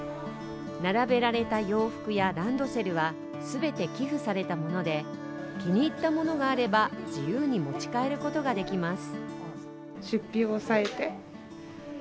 並べられた洋服やランドセルは全て寄付されたもので、気に入ったものがあれば、自由に持ち帰ることができます。